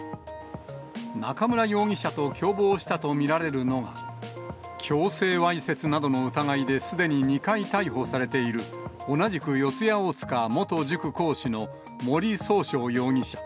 中村容疑者と共謀したと見られるのが、強制わいせつなどの疑いですでに２回逮捕されている、同じく四谷大塚元塾講師の森崇翔容疑者。